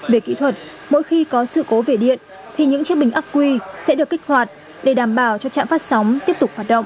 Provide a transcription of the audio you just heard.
về kỹ thuật mỗi khi có sự cố về điện thì những chiếc bình ác quy sẽ được kích hoạt để đảm bảo cho trạm phát sóng tiếp tục hoạt động